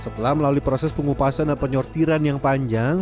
setelah melalui proses pengupasan dan penyortiran yang panjang